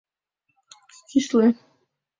Кӱсле